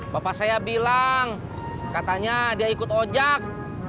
bapak saya bilang katanya dia ikut ojek